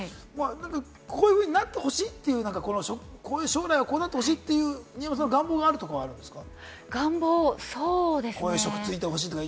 こういうふうになってほしいという、こういう将来はこうなってほしいという新山さんの願望があるとか、あるんですか？